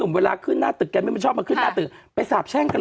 ไม่ใช่แค้นคร้าว